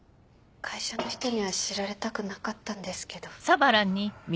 会社の人には知られたくなかったんですけど。